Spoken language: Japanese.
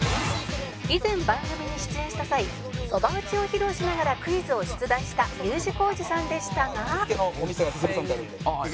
以前番組に出演した際そば打ちを披露しながらクイズを出題した Ｕ 字工事さんでしたが